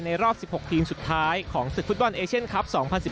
รอบ๑๖ทีมสุดท้ายของศึกฟุตบอลเอเชียนคลับ๒๐๑๙